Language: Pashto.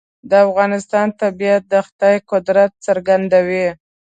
د افغانستان طبیعت د خدای قدرت څرګندوي.